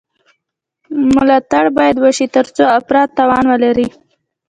ملاتړ باید وشي ترڅو افراد توان ولري.